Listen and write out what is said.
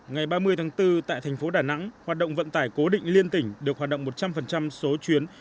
ngày ba mươi tháng bốn tại thành phố đà nẵng hoạt động vận tải cố định liên tỉnh được hoạt động một trăm linh số chuyến